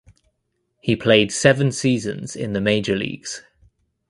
He played seven seasons in the major leagues.